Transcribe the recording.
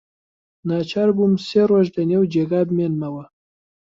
ناچار بووم سێ ڕۆژ لەنێو جێگا بمێنمەوە.